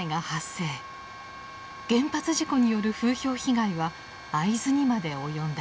原発事故による風評被害は会津にまで及んだ。